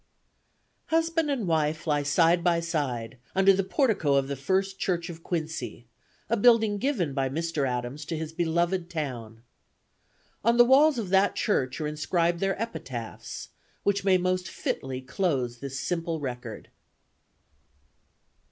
Husband and wife lie side by side, under the portico of the First Church of Quincy, a building given by Mr. Adams to his beloved town. On the walls of that church are inscribed their epitaphs, which may most fitly close this simple record.